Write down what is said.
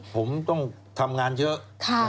ผมต้องทำงานเยอะ